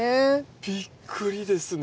びっくりですね。